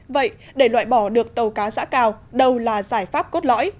vậy để loại bỏ được tàu cá giã cào đâu là giải pháp cốt lõi